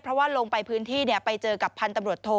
เพราะว่าลงไปพื้นที่ไปเจอกับพันธุ์ตำรวจโท